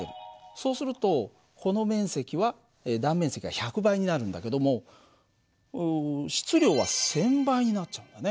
そうするとこの面積は断面積は１００倍になるんだけども質量は１，０００倍になっちゃうんだね。